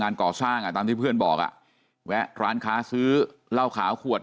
ก่อสร้างอ่ะตามที่เพื่อนบอกอ่ะแวะร้านค้าซื้อเหล้าขาวขวด